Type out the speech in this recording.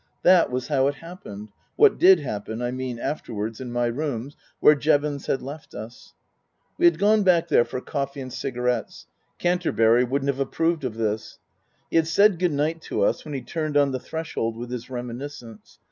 That was how it happened what did happen, I mean, afterwards, in my rooms where Jevons had left us. We had gone back there for coffee and cigarettes. (Canterbury wouldn't have approved of this.) He had said good night to us when he turned on the threshold with his reminiscence.